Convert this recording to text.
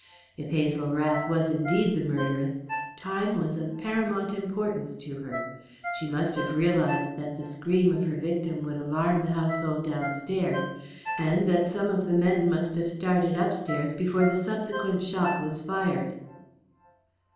If Hazel Rath was indeed the murderess, time was of paramount importance to her. She must have realized that the scream of her victim would alarm the household downstairs, and that some of the men must have started upstairs before the subsequent shot was fired."